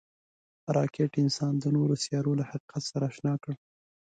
راکټ انسان د نورو سیارو له حقیقت سره اشنا کړ